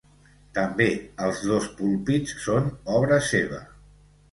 També els dos púlpits són obra seva.